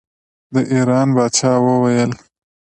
د ایران پاچا وویل.